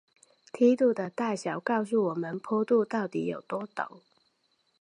梯度的大小告诉我们坡度到底有多陡。